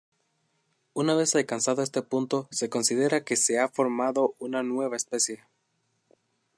Una vez alcanzado este punto se considera que se ha formado una nueva especie.